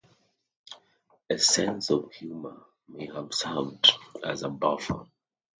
A sense of humor may have served as a buffer.